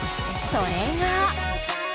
それが。